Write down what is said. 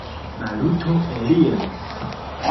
Maluto eliris.